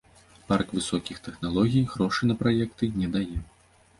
Парк высокіх тэхналогій грошы на праекты не дае.